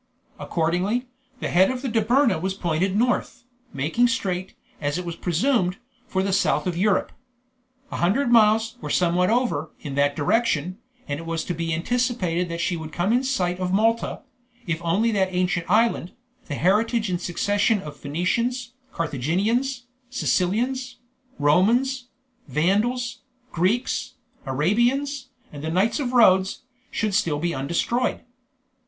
Accordingly, the head of the Dobryna was pointed north, making straight, as it was presumed, for the south of Europe. A hundred miles, or somewhat over, in that direction, and it was to be anticipated she would come in sight of Malta, if only that ancient island, the heritage in succession of Phoenicians, Carthaginians, Sicilians, Romans, Vandals, Greeks, Arabians, and the knights of Rhodes, should still be undestroyed.